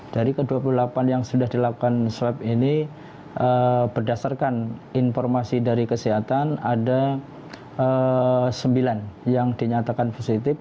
dari ke dua puluh delapan yang sudah dilakukan swab ini berdasarkan informasi dari kesehatan ada sembilan yang dinyatakan positif